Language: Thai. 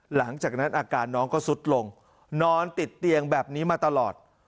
หลังจากนั้นอาการน้องก็สุดลงนอนติดเตียงแบบนี้มาตลอด